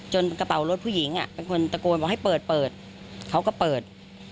กระเป๋ารถผู้หญิงเป็นคนตะโกนบอกให้เปิดเปิดเขาก็เปิด